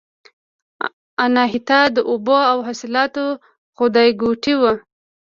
اناهیتا د اوبو او حاصلاتو خدایګوټې وه